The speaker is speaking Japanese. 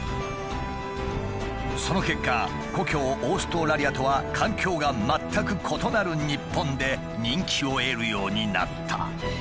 その結果故郷オーストラリアとは環境が全く異なる日本で人気を得るようになった。